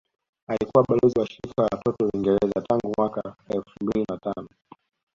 Alikuwa balozi wa shirika la watoto Uingereza tangu mwaka mwaka elfu mbili na tano